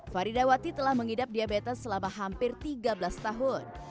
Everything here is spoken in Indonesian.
faridawati telah mengidap diabetes selama hampir tiga belas tahun